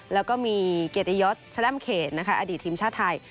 แล้วก็มีเกียรติยศแร่มเขตนะคะอดีตทีมชาติไทย